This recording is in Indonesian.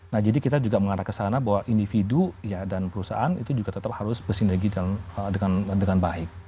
nah jadi kita juga mengarah ke sana bahwa individu dan perusahaan itu juga tetap harus bersinergi dengan baik